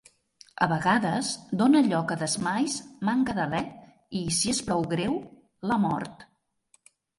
A vegades dóna lloc a desmais, manca d'alè, i si és prou greu, la mort.